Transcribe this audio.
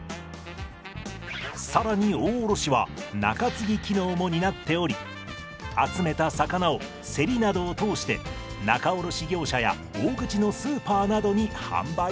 更に大卸は仲継機能も担っており集めた魚をセリなどを通して仲卸業者や大口のスーパーなどに販売します。